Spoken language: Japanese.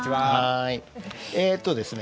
えっとですね